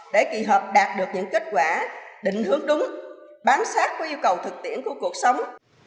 để kỳ họp đạt được những kết quả định hướng đúng bám sát với yêu cầu thực tiễn của cuộc sống